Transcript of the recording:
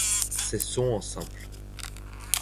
C'est son en simple.